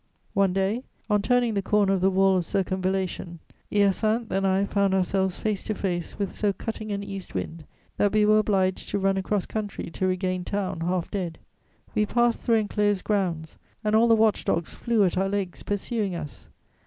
One day, on turning the corner of the wall of circumvallation, Hyacinthe and I found ourselves face to face with so cutting an east wind that we were obliged to run across country to regain town, half dead. We passed through enclosed grounds, and all the watch dogs flew at our legs, pursuing us.